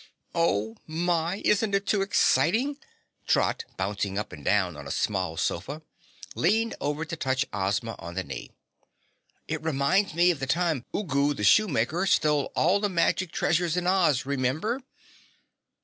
"Oh, my, isn't it too exciting!" Trot, bouncing up and down on a small sofa, leaned over to touch Ozma on the knee. "It reminds me of the time Ugu the Shoemaker stole all the magic treasures in Oz. Remember?"